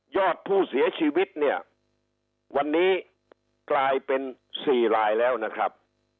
อดผู้เสียชีวิตเนี่ยวันนี้กลายเป็น๔รายแล้วนะครับ